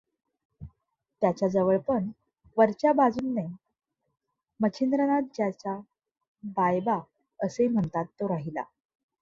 त्याच्याजवळ पण वरच्या बाजुनें मच्छिंद्रनाथ ज्याच्या बायबा असें म्हणतात तो राहिला.